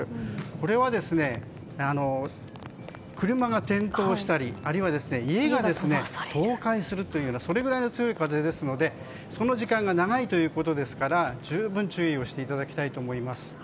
これは車が転倒したりあるいは家が倒壊するようなそれぐらいの強い風ですのでその時間が長いということで十分、注意をしていただきたいと思います。